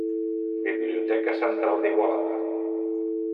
Biblioteca Central d’Igualada.